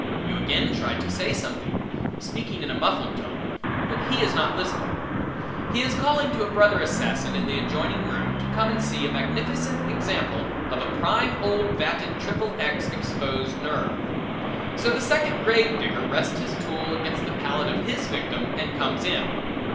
You again try to say something, speaking in a muffled tone, but he is not listening. He is calling to a brother assassin in the adjoining room to come and see a magnificent example of a prime old vatted triple X exposed nerve. So the Second Grave Digger rests his tools against the palate of his victim and comes in.